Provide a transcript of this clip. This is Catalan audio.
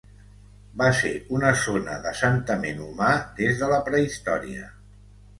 Va ser una zona d'assentament humà des de la prehistòria.